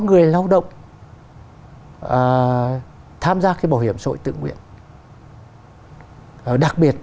người lao động tham gia cái bảo hiểm xã hội tự nguyện đặc biệt